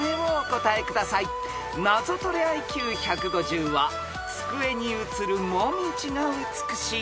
［ナゾトレＩＱ１５０は机に映るモミジが美しい